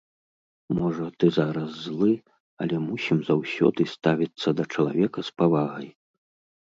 Можа, ты зараз злы, але мусім заўсёды ставіцца да чалавека з павагай!